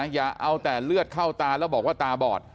อย่าเอาแต่เลือดเข้าตาแล้วบอกว่าตาบอด